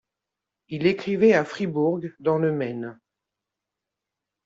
Il écrivait à Fryeburg dans le Maine.